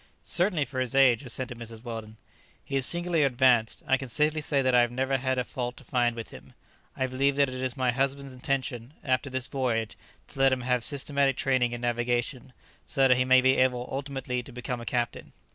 "Certainly for his age," assented Mrs. Weldon, "he is singularly advanced. I can safely say that I have never had a fault to find with him. I believe that it is my husband's intention, after this voyage, to let him have systematic training in navigation, so that he may be able ultimately to become a captain."